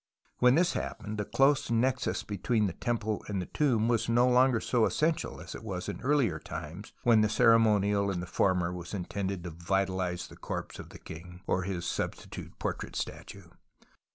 When this happened the close nexus between the temple and the tomb was no longer so essential as it was in earlier times when the ceremonial in the former was intended to vitalize the corpse of the king (or 68 TUTANKHAMEN his substitute the portrait statue).